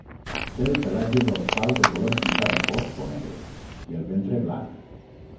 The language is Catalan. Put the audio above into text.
Té el pelatge dorsal de color pissarra fosc o negre i el ventre blanc.